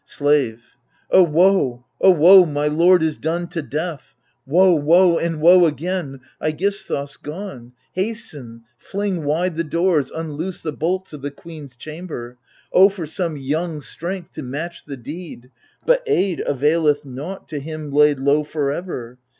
Slave O woe, O woe, my lord is done to death I Woe, woe, and woe again, iEgisthus gone ! Hasten, fling wide the doors, unloose the bolts Of the queen's chamber. O for some young strength To match the need ! but aid availeth nought To him laid low for ever.